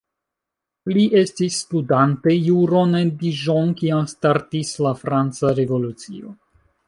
Li estis studante juron en Dijon kiam startis la Franca Revolucio.